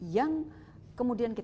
yang kemudian kita